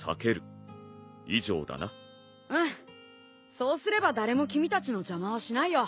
そうすれば誰も君たちの邪魔はしないよ。